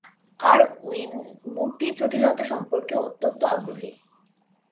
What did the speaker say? Irwin মূর্তির জটিলতা সম্পর্কেও অত্যন্ত আগ্রহী।